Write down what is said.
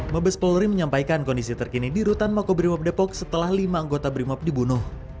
mabes polri menyampaikan kondisi terkini di rutan makobrimob depok setelah lima anggota brimob dibunuh